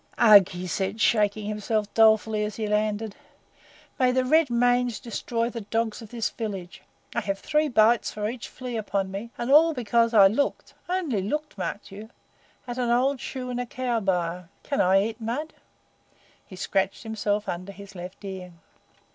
"Ugh!" he said, shaking himself dolefully as he landed. "May the red mange destroy the dogs of this village! I have three bites for each flea upon me, and all because I looked only looked, mark you at an old shoe in a cow byre. Can I eat mud?" He scratched himself under his left ear.